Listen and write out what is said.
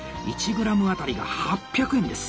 １グラム当たりが８００円です。